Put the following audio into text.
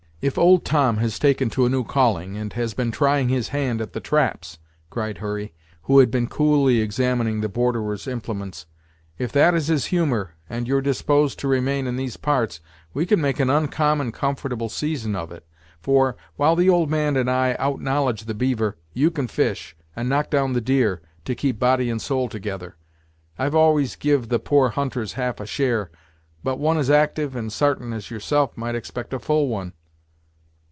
"If Old Tom has taken to a new calling, and has been trying his hand at the traps," cried Hurry, who had been coolly examining the borderer's implements; "if that is his humor, and you're disposed to remain in these parts, we can make an oncommon comfortable season of it; for, while the old man and I out knowledge the beaver, you can fish, and knock down the deer, to keep body and soul together. I've always give the poorest hunters half a share, but one as actyve and sartain as yourself might expect a full one."